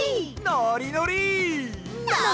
のりのり。